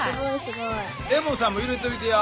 レモンさんも入れといてや。